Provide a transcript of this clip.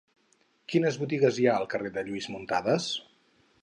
Quines botigues hi ha al carrer de Lluís Muntadas?